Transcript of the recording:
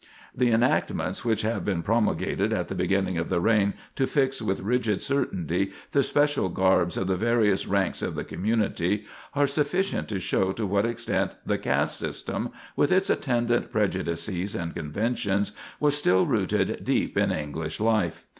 The enactments which had been promulgated at the beginning of the reign to fix with rigid certainty the special garbs of the various ranks of the community, are sufficient to show to what extent the caste system, with its attendant prejudices and conventions, was still rooted deep in English life.